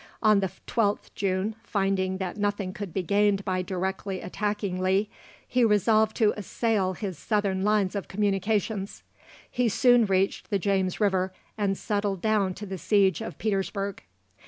On the 12th June, finding that nothing could be gained by directly attacking Lee, he resolved to assail his southern lines of communications. He soon reached the James river, and settled down to the siege of Petersburg.